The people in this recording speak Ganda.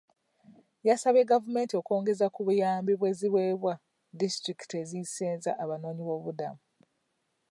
Yasabye gavumenti okwongeza ku buyambi bw'eziweebwa disitulikiti ezisenza abanoonyiboobubudamu.